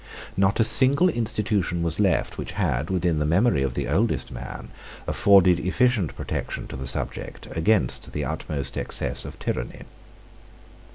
Not a single institution was left which had, within the memory of the oldest man, afforded efficient protection to the subject against the utmost excess of tyranny.